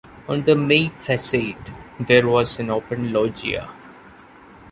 On the main facade there was an open loggia.